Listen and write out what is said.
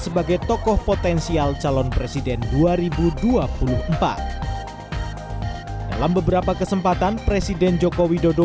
sebagai tokoh potensial calon presiden dua ribu dua puluh empat dalam beberapa kesempatan presiden joko widodo